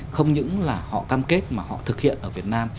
không những là họ cam kết mà họ thực hiện ở việt nam